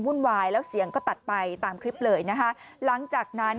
วายแล้วเสียงก็ตัดไปตามคลิปเลยนะคะหลังจากนั้น